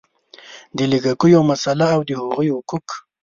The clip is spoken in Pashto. د لږکیو مسله او د هغوی حقوق